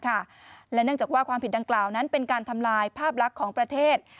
และเนื่องจากว่าความผิดดังกล่าวนั้นเป็นการทำลายภาพลักษณ์ของประเทศ